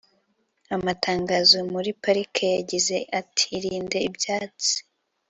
amatangazo muri parike yagize ati "irinde ibyatsi".